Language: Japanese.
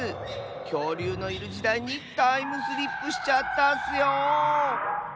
きょうりゅうのいるじだいにタイムスリップしちゃったッスよ。